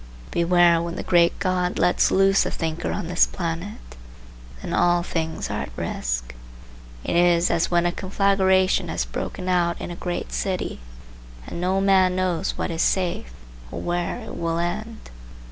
Beware when the great God lets loose a thinker on this planet. Then all things are at risk. It is as when a conflagration has broken out in a great city, and no man knows what is safe, or where it will end.